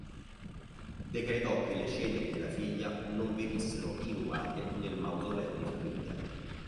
Decretò che le ceneri della figlia non venissero inumate nel mausoleo di famiglia.